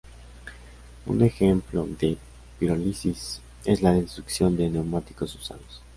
Un ejemplo de pirólisis es la destrucción de neumáticos usados.